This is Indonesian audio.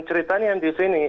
ceritanya yang disini